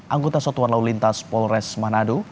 anggota satuan lalu lintas polres manado